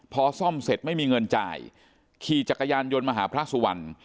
พอซ่อมเสร็จไม่มีเงินจ่ายขี่จักรยานยนต์มาหาพระสุวรรณ